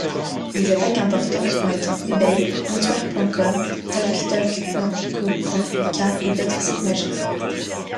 Des attaques importantes ont atteint eBay, answers.com, talktalk.co.uk, et d'autres sites majeurs.